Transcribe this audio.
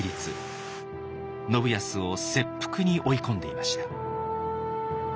信康を切腹に追い込んでいました。